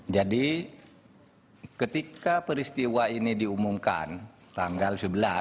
jadi ketika peristiwa ini diumumkan tanggal sebelas